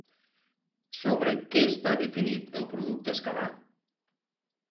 Sobre què està definit el producte escalar?